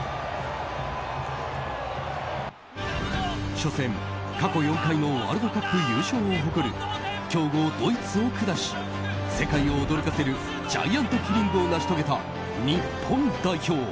初戦、過去４回のワールドカップ優勝を誇る強豪ドイツを下し世界を驚かせるジャイアントキリングを成し遂げた日本代表。